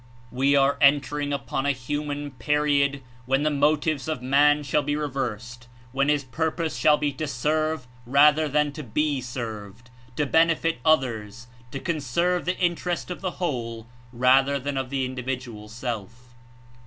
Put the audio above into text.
We are entering upon a human period when the motives of man shall be reversed, when his purpose shall be to serve rather than to be served, to benefit others, to conserve the Interest of the whole rather than of the Individual self.